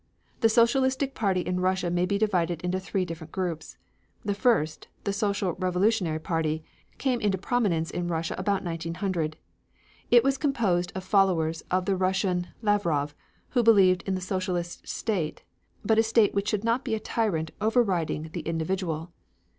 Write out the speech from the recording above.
The Socialistic party in Russia may be divided into three different groups. The first, the Social Revolutionary party, came into prominence in Russia about 1900. It was composed of followers of the Russian Lavrov who believed in the socialist state, but a state which should not be a tyrant overriding the individual.